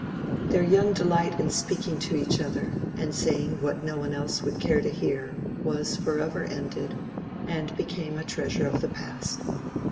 Their young delight in speaking to each other, and saying what no one else would care to hear, was forever ended, and become a treasure of the past.